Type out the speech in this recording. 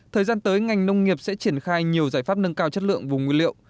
thời gian tới ngành nông nghiệp sẽ triển khai nhiều giải pháp nâng cao chất lượng vùng nguyên liệu